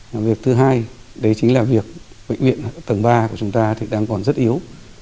vấn đề thứ hai đấy chính là việc bệnh viện tầng ba của chúng ta đang còn rất yếu